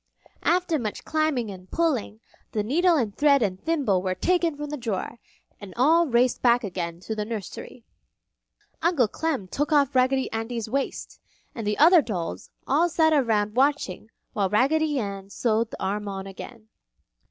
After much climbing and pulling, the needle and thread and thimble were taken from the drawer, and all raced back again to the nursery. Uncle Clem took off Raggedy Andy's waist, and the other dolls all sat around watching while Raggedy Ann sewed the arm on again.